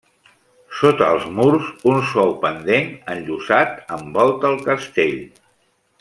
Sota els murs, un suau pendent enllosat envolta el castell.